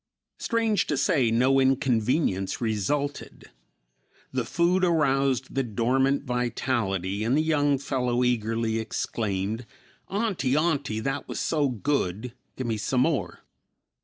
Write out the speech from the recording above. Strange to say, no inconvenience resulted. The food aroused the dormant vitality and the young fellow eagerly exclaimed, "Auntie, Auntie, that was so good. Give me some more."